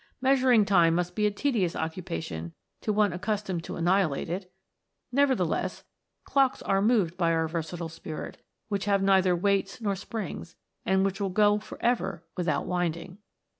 Measur ing time must be a tedious occupation to one accus tomed to annihilate it ; nevertheless, clocks are moved by our versatile Spirit, which have neither weights nor springs, and which will go for ever without winding.